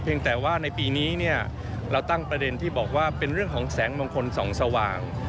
แต่ว่าในปีนี้เนี่ยเราตั้งประเด็นที่บอกว่าเป็นเรื่องของแสงมงคลส่องสว่าง